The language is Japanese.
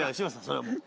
それもう。